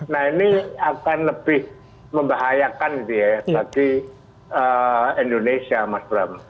nah ini akan lebih membahayakan gitu ya bagi indonesia mas bram